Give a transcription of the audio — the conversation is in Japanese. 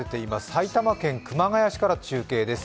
埼玉県熊谷市から中継です。